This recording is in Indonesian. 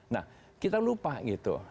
nah kita lupa gitu